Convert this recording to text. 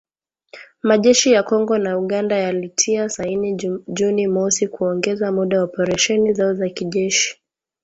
majeshi ya Kongo na Uganda yalitia saini Juni mosi kuongeza muda wa operesheni zao za kijeshi